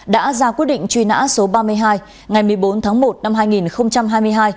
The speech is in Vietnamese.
đã ra quyết định truy nã số ba mươi hai ngày một mươi bốn tháng một năm hai nghìn hai mươi hai